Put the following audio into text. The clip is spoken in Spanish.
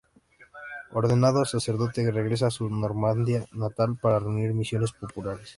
Ordenado sacerdote, regresa a su Normandía natal para reunir misiones populares.